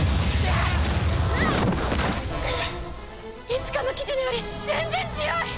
いつかの雉野より全然強い！